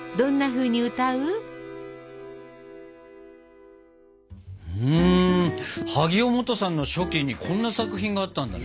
うん萩尾望都さんの初期にこんな作品があったんだね。